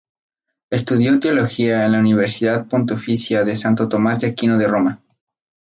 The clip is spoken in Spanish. Estudió Teología en la Universidad Pontificia de Santo Tomás de Aquino de Roma.